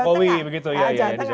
pak jokowi begitu ya ya